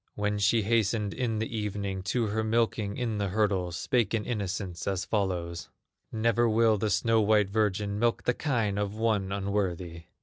When she hastened in the evening To her milking in the hurdles, Spake in innocence as follows: "Never will the snow white virgin Milk the kine of one unworthy!"